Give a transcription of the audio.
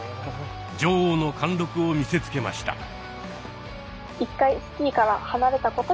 女王の貫禄を見せつけました。